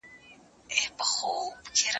غوټه چي په لاس خلاصېږي، غاښ ته حاجت نسته.